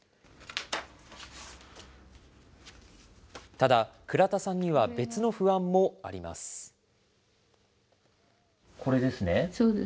ただ、倉田さんには別の不安もあります。